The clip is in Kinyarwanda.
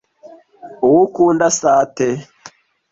uwo ukunda asa ate